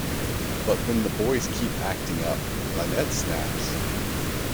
But then when the boys keep acting up, Lynette snaps.